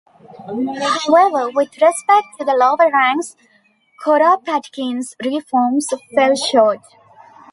However, with respect to the lower ranks, Kuropatkin's reforms fell short.